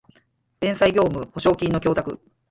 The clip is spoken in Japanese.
弁済業務保証金の供託